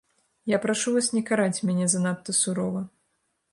Я прашу вас не караць мяне занадта сурова.